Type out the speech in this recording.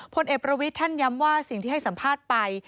พลเอกประวิทย์ท่านย้ำว่าสิ่งที่ให้สัมภาษณ์ไป